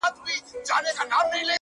زما د زړه زړگى چي وچاودېد په تاپسي يار.!